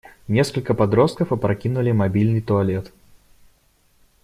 Несколько подростков опрокинули мобильный туалет.